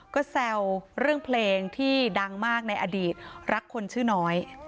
ก็แซวเรื่องเพลงที่ดังมากในอดีตรักคนชื่อน้อย